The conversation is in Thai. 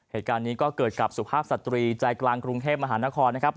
เหตุการณ์นี้ก็เกิดกับสุภาพสตรีใจกลางกรุงเทพมหานครนะครับ